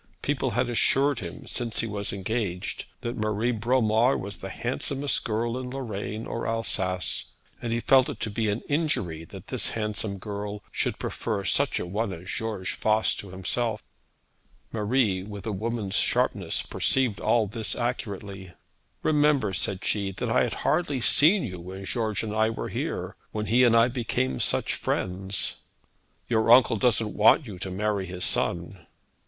People had assured him since he was engaged that Marie Bromar was the handsomest girl in Lorraine or Alsace; and he felt it to be an injury that this handsome girl should prefer such a one as George Voss to himself. Marie, with a woman's sharpness, perceived all this accurately. 'Remember,' said she, 'that I had hardly seen you when George and I were when he and I became such friends.' 'Your uncle doesn't want you to marry his son.'